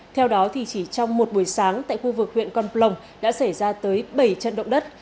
theo đó thì chỉ trong một buổi sáng tại khu vực huyện con plong đã xảy ra tới bảy trận động đất